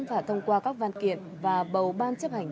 và thông qua các văn kiện và bầu ban chấp hành